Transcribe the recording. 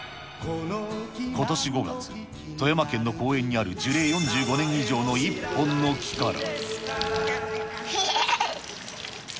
ことし５月、富山県の公園にある樹齢４５年以上の１本の木から。